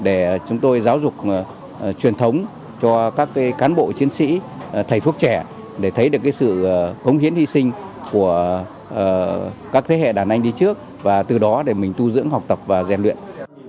để chúng tôi giáo dục truyền thống cho các cán bộ chiến sĩ thầy thuốc trẻ để thấy được sự cống hiến hy sinh của các thế hệ đàn anh đi trước và từ đó để mình tu dưỡng học tập và rèn luyện